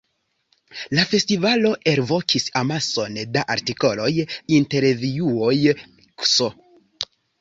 La festivalo elvokis amason da artikoloj, intervjuoj ks.